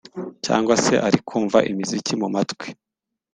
cyangwa se ari kumva imiziki mu matwi